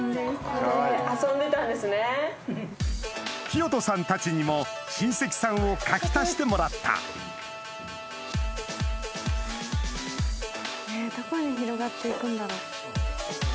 清人さんたちにも親戚さんを書き足してもらったどこに広がって行くんだろう？